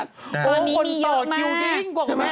ตอนนี้มีเยอะมากโอ้คนต่อคิวดิ้งกว่าแม่